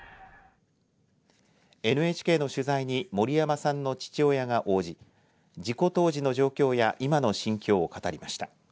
ＮＨＫの取材に森山さんの父親が応じ事故当時の状況や今の心境を語りました。